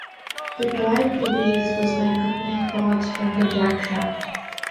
The drive to the wheels was by coupling rods from the jackshaft.